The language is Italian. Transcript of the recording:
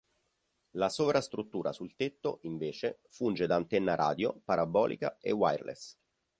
La sovrastruttura sul tetto, invece, funge da antenna radio, parabolica e wireless.